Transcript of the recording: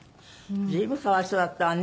随分可哀想だったわね。